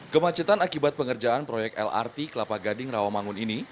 kemacetan akibat pengerjaan proyek lrt kelapa gading rawamangun ini